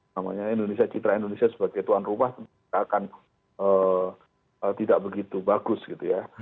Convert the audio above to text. namanya indonesia citra indonesia sebagai tuan rumah akan tidak begitu bagus gitu ya